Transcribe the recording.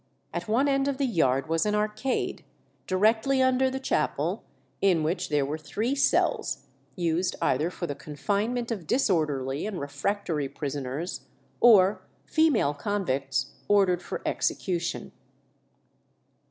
At one end of the yard was an arcade, directly under the chapel, in which there were three cells, used either for the confinement of disorderly and refractory prisoners, or female convicts ordered for execution.